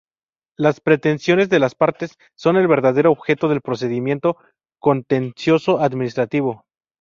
Las pretensiones de las partes son el verdadero objeto del procedimiento contencioso-administrativo.